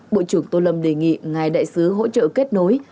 bộ trưởng tô lâm đề nghị ngài đại sứ hỗ trợ kết nối